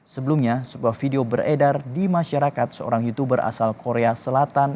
sebelumnya sebuah video beredar di masyarakat seorang youtuber asal korea selatan